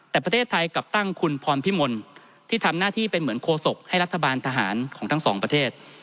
แต่ประเทศไทยกลับตั้งคุณพรพิมลที่ทำหน้าที่เป็นเหมือนโคศกให้รัฐบาลทหารของทั้งสองประเทศ